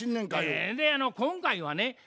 今回はね